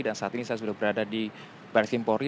dan saat ini saya sudah berada di bares krim polri